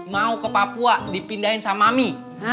mau ke papua dipindahin sama mi